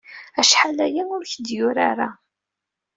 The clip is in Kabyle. Acḥal aya ur ak-d-yuri ara.